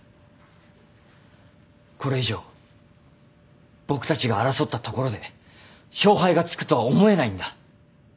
これ以上僕たちが争ったところで勝敗がつくとは思えないんだ。